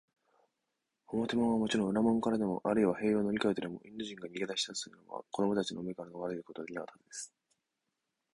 表門はもちろん、裏門からでも、あるいは塀を乗りこえてでも、インド人が逃げだしたとすれば、子どもたちの目をのがれることはできなかったはずです。